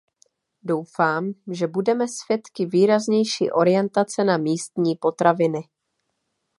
Doufám, že budeme svědky výraznější orientace na místní potraviny.